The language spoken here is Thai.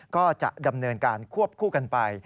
ก็จะดำเนินการควบคู่กันไป